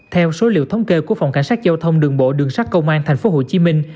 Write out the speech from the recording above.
theo số liệu thống kê của phòng cảnh sát giao thông đường bộ đường sát công an thành phố hồ chí minh